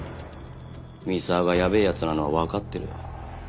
三沢がやべえ奴なのはわかってる。